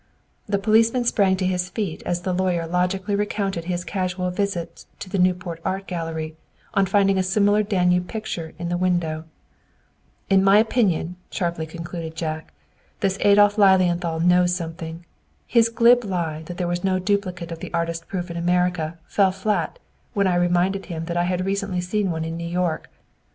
The policeman sprang to his feet as the lawyer logically recounted his casual visits to the Newport Art Gallery, on finding a similar Danube picture in the window. "In my opinion," sharply concluded Jack, "this Adolph Lilienthal knows something. His glib lie that there was no duplicate of the artist proof in America fell flat when I reminded him that I had recently seen one in New York.